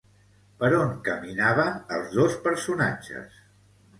Per on caminaven els dos personatges?